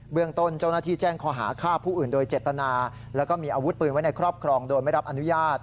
เรื่องต้นเจ้าหน้าที่แจ้งข้อหาฆ่าผู้อื่นโดยเจตนาแล้วก็มีอาวุธปืนไว้ในครอบครองโดยไม่รับอนุญาต